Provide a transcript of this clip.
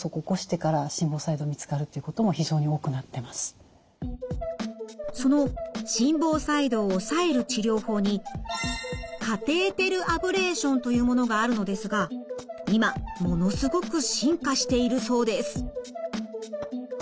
ご自身ではその心房細動を抑える治療法にカテーテルアブレーションというものがあるのですが今ものすごく進化しているそうです。